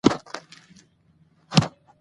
دا دود د کورنیو ترمنځ دښمني زیاتوي.